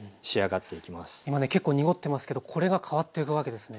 今ね結構濁ってますけどこれが変わっていくわけですね。